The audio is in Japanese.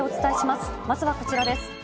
まずはこちらです。